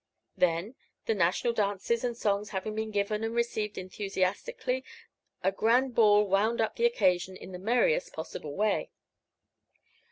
Then, the national dances and songs having been given and received enthusiastically, a grand ball wound up the occasion in the merriest possible way.